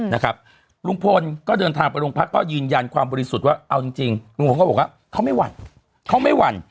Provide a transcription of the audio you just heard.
นะครับลุงพลก็เดินทางไปโรงพักก็ยืนยันความบริสุทธิ์ว่าเอาจริงลุงพลก็บอกว่าเขาไม่หวั่นเขาไม่หวั่น